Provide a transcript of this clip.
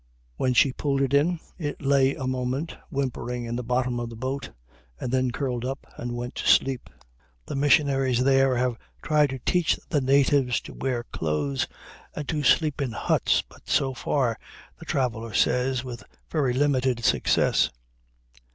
When she pulled it in, it lay a moment whimpering in the bottom of the boat, and then curled up and went to sleep. The missionaries there have tried to teach the natives to wear clothes, and to sleep in huts; but, so far, the traveler says, with very limited success.